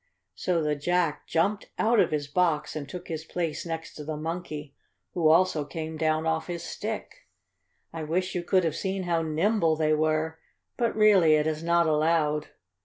So the Jack jumped out of his box and took his place next to the Monkey, who also came down off his stick. I wish you could have seen how nimble they were, but, really, it is not allowed.